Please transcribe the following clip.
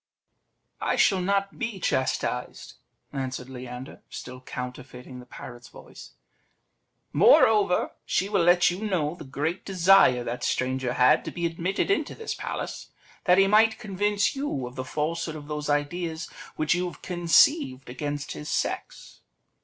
"I shall not be chastised," answered Leander, still counterfeiting the parrot's voice; "moreover, she will let you know the great desire that stranger had to be admitted into this palace, that he might convince you of the falsehood of those ideas which you have conceived against his sex."